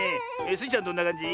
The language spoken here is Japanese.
スイちゃんどんなかんじ？